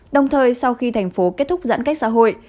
đồng thời sau khi thành phố kết thúc giãn cách xã hội